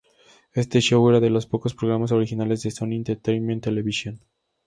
Este show era de los pocos programas originales de Sony Entertainment Television.